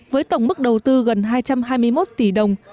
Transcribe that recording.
với tổng mức đầu tư gần hai trăm hai mươi một tỷ đồng